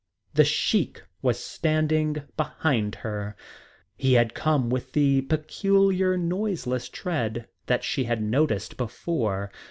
The Sheik was standing behind her. He had come with the peculiar noiseless tread that she had noticed before.